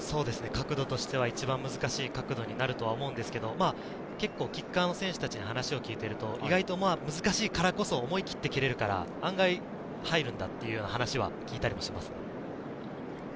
角度としては一番難しい角度となると思いますが、キッカーの選手に話を聞くと、難しいからこそ思い切って蹴れるので案外、入るんだという話を聞いたりもします。